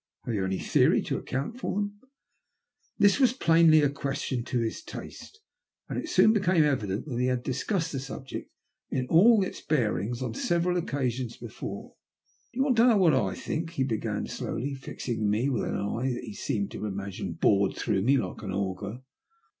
Have you any theory to account for them ?" This was plainly a question to his taste, and it soon became evident that he had discussed the subject in all its bearings on several occasions before. " Do you want to know what I think ?" he began slowly, fixing me with an eye that he seemed to imagine bored through me like an augur.